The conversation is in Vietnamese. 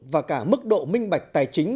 và cả mức độ minh bạch tài chính